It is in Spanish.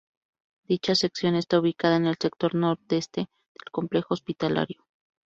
Dicha sección está ubicada en el sector nordeste del complejo hospitalario.